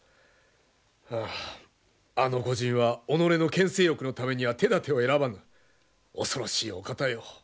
はああの御仁は己の権勢欲のためには手だてを選ばぬ恐ろしいお方よ。